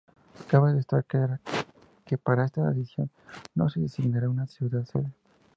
Cabe destacar que para esta edición no se designará una ciudad sede.